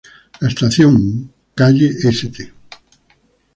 La estación Calle St.